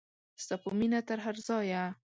ستا په مینه تر هر ځایه.